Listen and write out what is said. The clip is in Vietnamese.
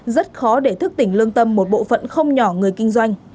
rất khó để thức tỉnh lương tâm một bộ phận không nhỏ người kinh doanh